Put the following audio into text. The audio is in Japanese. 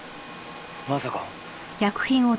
まさか。